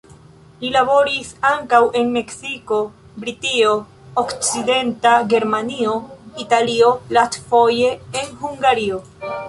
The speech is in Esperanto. Li laboris ankaŭ en Meksiko, Britio, Okcidenta Germanio, Italio, lastfoje en Hungario.